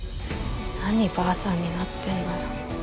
何ばあさんになってんのよ。